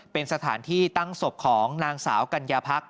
เป็นสถานที่ตั้งศพของนางสาวกัญญาพัก